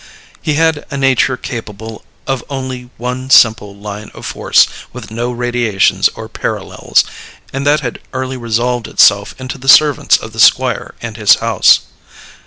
He had a nature capable of only one simple line of force, with no radiations or parallels, and that had early resolved itself into the service of the Squire and his house.